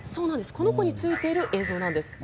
この子についている映像なんです。